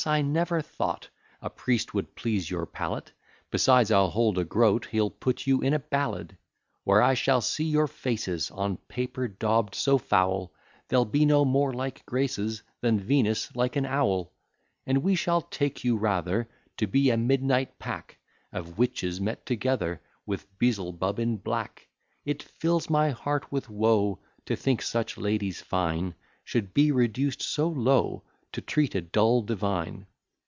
I never thought A priest would please your palate; Besides, I'll hold a groat He'll put you in a ballad; Where I shall see your faces, On paper daub'd so foul, They'll be no more like graces, Than Venus like an owl. And we shall take you rather To be a midnight pack Of witches met together, With Beelzebub in black. It fills my heart with woe, To think such ladies fine Should be reduced so low, To treat a dull divine.